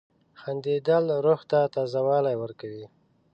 • خندېدل روح ته تازه والی ورکوي.